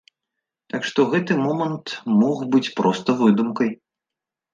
Так што гэты момант мог быць проста выдумкай.